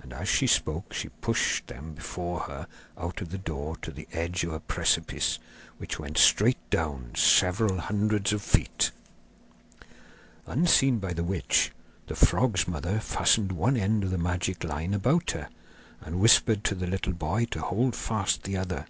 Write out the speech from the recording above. And as she spoke she pushed them before her out of the door to the edge of a precipice, which went straight down several hundreds of feet. Unseen by the witch, the frog's mother fastened one end of the magic line about her, and whispered to the little boy to hold fast the other.